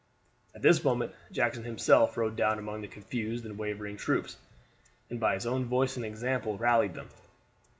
At this moment Jackson himself rode down among the confused and wavering troops, and by his voice and example rallied them.